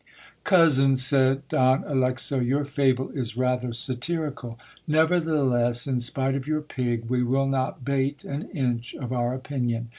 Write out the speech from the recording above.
Cousin, said Don Alexo, your fable is rather satirical. Nevertheless, in spite of your pig, we will not bate an inch of our opinion.